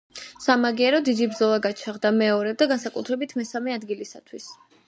სამაგიეროდ დიდი ბრძოლა გაჩაღდა მეორე და განსაკუთრებით მესამე ადგილისათვის.